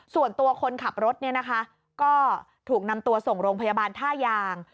ส่วนตัวคนขับรถก็ถูกนำตัวส่งโรงพยาบาลท่ายาง